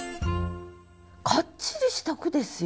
かっちりした句ですよ。